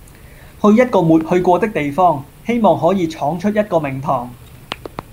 去一個沒去過的地方，希望可以闖出一個名堂